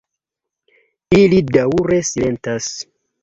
Ili daŭre silentas.